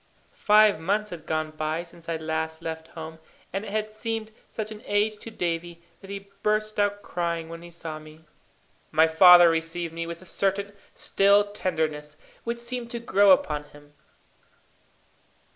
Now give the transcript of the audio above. Five months had gone by since I last left home, and it had seemed such an age to Davie, that he burst out crying when he saw me. My father received me with a certain still tenderness, which seemed to grow upon him.